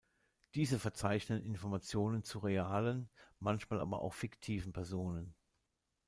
Diese verzeichnen Informationen zu realen, manchmal aber auch zu fiktiven Personen.